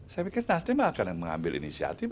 saya pikir nasri mah akan mengambil inisiatif